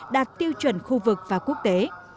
đạt tiêu chuẩn khu vực và quốc tế